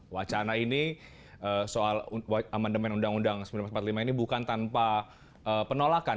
wacana ini soal amandemen undang undang seribu sembilan ratus empat puluh lima ini bukan tanpa penolakan